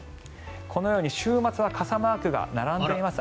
このように週末は傘マークが並んでいます。